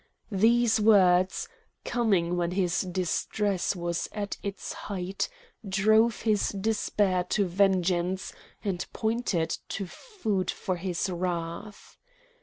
These words, coming when his distress was at its height, drove his despair to vengeance, and pointed to food for his wrath.